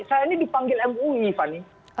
saya ini dipanggil mui fani